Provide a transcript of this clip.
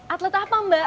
atlet apa mbak